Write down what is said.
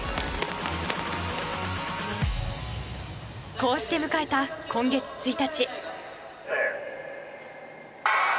こうして迎えた今月１日。